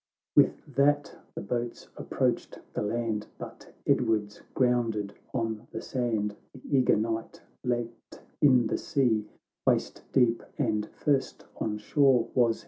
— XIV With that the boats approached the land, But Edward's grounded on the sand ; The eager knighl leaped in the sea Waist deep, and first on shore was he, CiXTO V.